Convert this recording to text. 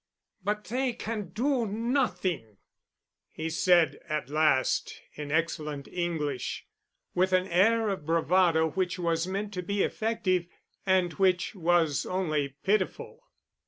"But they can do nothing," he said at last in excellent English, with an air of bravado which was meant to be effective, and which was only pitiful.